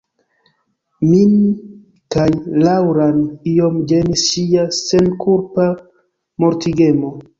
Min kaj Laŭran iom ĝenis ŝia senkulpa mortigemo.